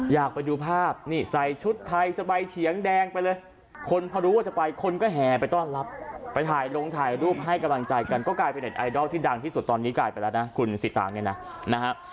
อยากไปดูภาพนี่ใส่ชุดไทยสบายเฉียงแดงไปเลยคนพอรู้ว่าจะไปคนก็แห่ไปต้อนรับไปถ่ายลงถ่ายรูปให้กำลังใจกันก็กลายเป็นเน็ตไอดอลที่ดังที่สุดตอนนี้กลายไปแล้วนะคุณสิตางเนี่ยนะนะฮะ